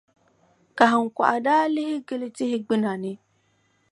Kahiŋkɔɣu daa lihi gili tihi gbuna ni.